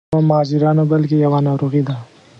جګړه یوه ماجرا نه بلکې یوه ناروغي ده.